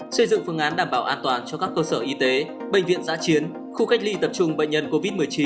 xây dựng phương án đảm bảo an toàn cho các cơ sở y tế bệnh viện giã chiến khu cách ly tập trung bệnh nhân covid một mươi chín